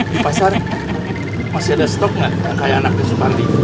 di pasar masih ada stok gak yang kaya anaknya supardi